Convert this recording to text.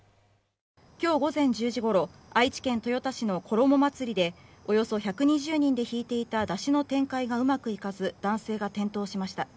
今日午前１０時ごろ愛知県豊田市の挙母祭りでおよそ１２０人で弾いていた山車の展開がうまくいかず男性が転倒しました。